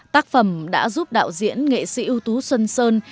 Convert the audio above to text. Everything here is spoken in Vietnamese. tác phẩm đã giúp đạo diễn nghệ sĩ ưu tú xuân sơn